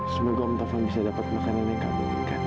semoga om tafan bisa dapat makanan yang kamu inginkan